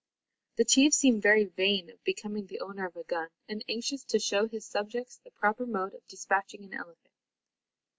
The chief seemed very vain of being the owner of a gun, and anxious to show to his subjects the proper mode of despatching an elephant.